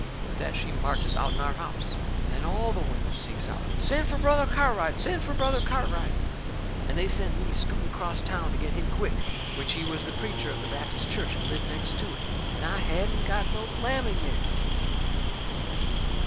With that she marches out'n our house. Then all the women sings out: "Send fur Brother Cartwright! Send fur Brother Cartwright!" And they sent me scooting acrost town to get him quick. Which he was the preacher of the Baptist church and lived next to it. And I hadn't got no lamming yet!